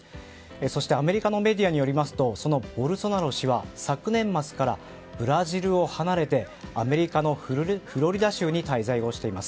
そしてアメリカのメディアによりますとそのボルソナロ氏は昨年末からブラジルを離れてアメリカのフロリダ州に滞在をしています。